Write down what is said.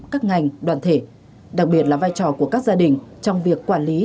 các ngành đoàn thể đặc biệt là vai trò của các gia đình trong việc quản lý